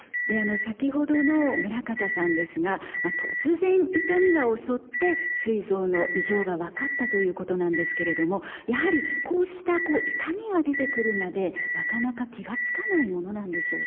先ほどの村方さんですが突然痛みが襲ってすい臓の異常が分かったということなんですけれどもやはりこうしたこう痛みが出てくるまでなかなか気が付かないものなんでしょうか？